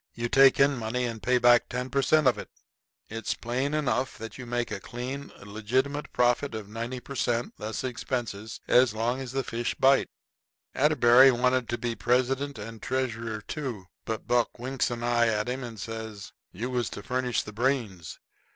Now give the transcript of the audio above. You take in money and pay back ten per cent. of it; it's plain enough that you make a clean, legitimate profit of 90 per cent., less expenses, as long as the fish bite. Atterbury wanted to be president and treasurer too, but Buck winks an eye at him and says: "You was to furnish the brains.